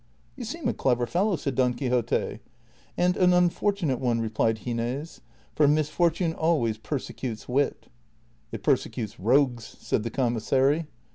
" You seem a clever fellow," said Don Quixote. " And an unfortunate one," replied Gines, " for misfortune always persecutes wit." " It persecutes rogues," said the commissary.